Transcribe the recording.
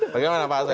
bagaimana pak asep